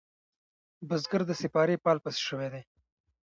بزگر د سپارې پال پس شوی دی.